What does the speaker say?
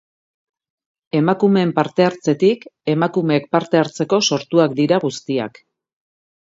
Emakumeen parte-hartzetik, emakumeek parte hartzeko sortuak dira guztiak.